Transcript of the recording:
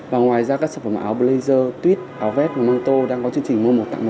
và ngoài ra các sản phẩm áo blazer tuýt áo vest và mang tô đang có chương trình mua một tặng một